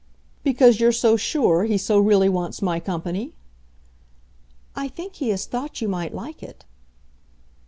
"Because you're so sure he so really wants my company?" "I think he has thought you might like it."